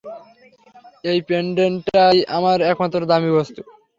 এই পেন্ডেন্টটাই আমার একমাত্র দামী বস্তু।